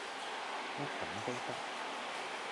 乜咁都得